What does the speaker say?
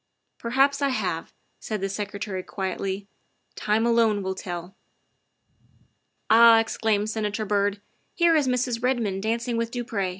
'''' Perhaps I have, '' said the Secretary quietly ;'' time alone will tell." "Ah!" exclaimed Senator Byrd, " here is Mrs. Red mond dancing with du Pre.